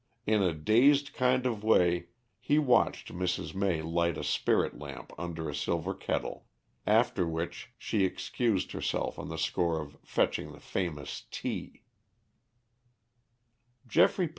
In a dazed kind of way he watched Mrs. May light a spirit lamp under a silver kettle, after which she excused herself on the score of fetching the famous tea.